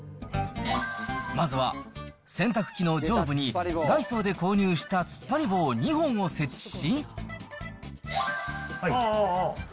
まずは洗濯機の上部に、ダイソーで購入した突っ張り棒２本を設置し。